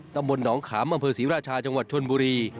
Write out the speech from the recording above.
ต้องบนหนองขามบศรีราชาจังหวัดชวนบุรี